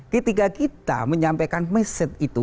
ketika kita menyampaikan mesej itu